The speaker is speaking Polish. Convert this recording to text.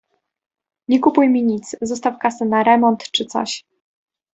Nie kupuj mi nic, zostaw kasę na remont czy coś.